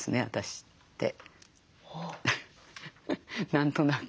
何となく。